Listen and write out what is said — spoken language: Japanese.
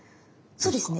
そうですね。